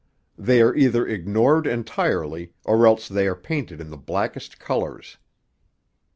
They are either ignored entirely or else they are painted in the blackest colours.